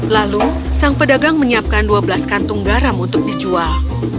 lalu sang pedagang menyiapkan dua belas kantung garam untuk dijual